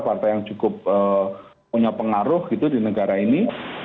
partai yang cukup punya pengaruh gitu di negara ini